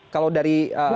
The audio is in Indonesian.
kalau dari pemerintah